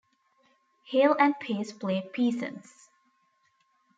Hale and Pace play peasants.